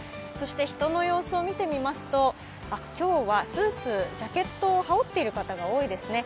人の様子を見てみますと今日はスーツ、ジャケットを羽織っている方が多いですね。